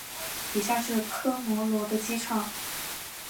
以下是科摩罗的机场。